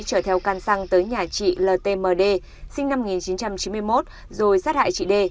chở theo can xăng tới nhà chị ltmd sinh năm một nghìn chín trăm chín mươi một rồi sát hại chị d